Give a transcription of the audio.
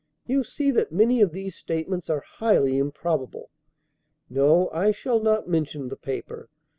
You see that many of these statements are highly improbable. No, I shall not mention the paper.